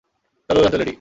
তবে ঐ অঞ্চলেরই।